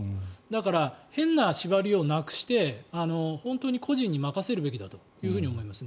だから変な縛りはなくして本当に個人に任せるべきだと思います。